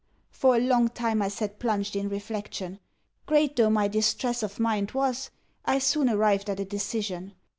For a long time I sat plunged in reflection. Great though my distress of mind was, I soon arrived at a decision....